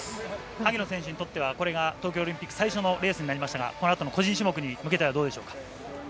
萩野選手にとっては、これが東京オリンピック最初のレースになりましたが、このあとの個人種目に向けてはどうでしょうか。